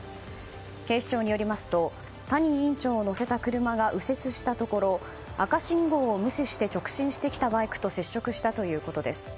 警視庁によりますと谷委員長を乗せた車が右折したところ赤信号を無視して直進してきたバイクと接触したということです。